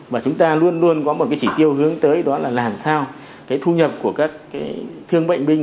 và chúng ta luôn luôn có một chỉ tiêu hướng tới là làm sao thu nhập của các thương bệnh binh